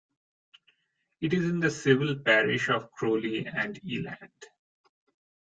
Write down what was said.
It is in the civil parish of Crowle and Ealand.